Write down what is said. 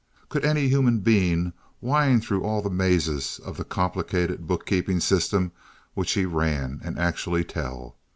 Could any human being wind through all the mazes of the complicated bookkeeping system which he ran, and actually tell?